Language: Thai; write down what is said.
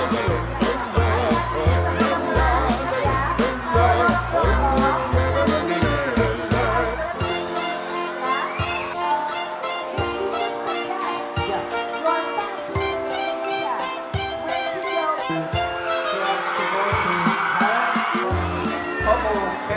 มันเป็นแบบที่สุดท้ายก็คือเพราะว่ามันเป็นแบบที่สุดท้ายก็คือ